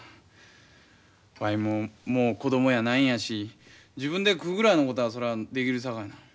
わいももう子供やないんやし自分で食うぐらいのことはそらできるさかい。